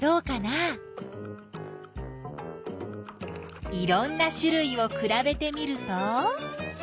いろんなしゅるいをくらべてみると？